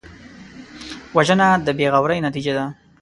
وژنه د بېغورۍ نتیجه ده